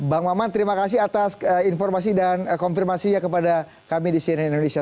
bang maman terima kasih atas informasi dan konfirmasinya kepada kami di cnn indonesia